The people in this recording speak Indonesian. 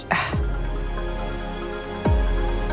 ya allah mbak elsa